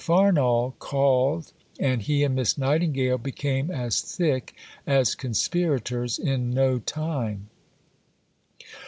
Farnall called, and he and Miss Nightingale became as thick as conspirators in no time.